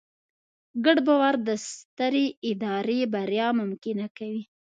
ګډ باور د سترې ادارې بریا ممکنه کوي.